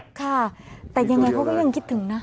ค่ะแต่ยังไงเขาก็ยังคิดถึงนะ